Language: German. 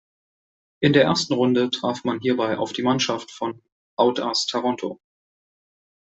In der ersten Runde traf man hierbei auf die Mannschaft von Audace Taranto.